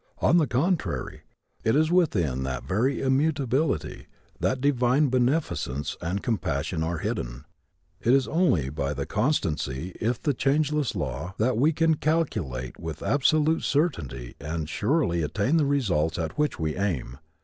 On the contrary it is within that very immutability that divine beneficence and compassion are hidden. It is only by the constancy if the changeless law that we can calculate with absolute certainty and surely attain the results at which we aim.